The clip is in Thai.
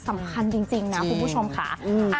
สำคัญจริงนะคุณผู้ชมค่ะ